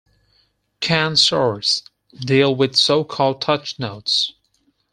Kan-swars deal with so called "touch notes".